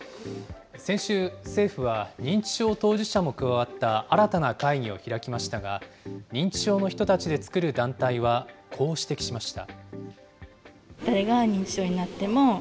先週、政府は認知症当事者も加わった新たな会議を開きましたが、認知症の人たちで作る団体はこう指摘しました。